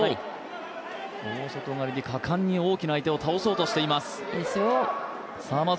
大外刈りで果敢に大きな相手を倒そうとしています。